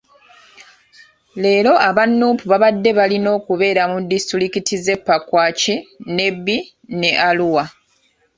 Leero aba Nuupu babadde balina kubeera mu disitulikiti z'e Pakwach, Nebbi ne Arua.